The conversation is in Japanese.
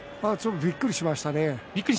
びっくりしましたね。